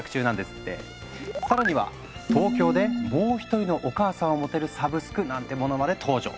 更には東京でもう一人のお母さんを持てるサブスクなんてものまで登場。